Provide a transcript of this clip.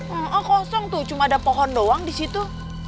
oh kosong tuh cuma ada pohon doang di situ